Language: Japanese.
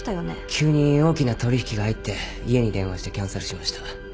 急に大きな取引が入って家に電話してキャンセルしました。